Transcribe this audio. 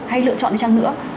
hay lựa chọn đi chẳng hạn